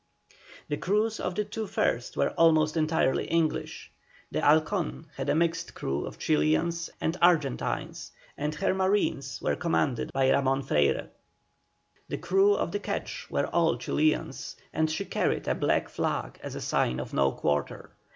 The crews of the two first were almost entirely English. The Halcon had a mixed crew of Chilians and Argentines, and her marines were commanded by Ramon Freyre. The crew of the quetch were all Chilians, and she carried a black flag as a sign of no quarter.